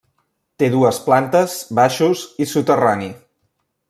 Té dues plantes, baixos i soterrani.